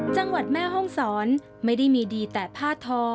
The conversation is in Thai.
จังหวัดแม่ห้องศรไม่ได้มีดีแต่ผ้าทอ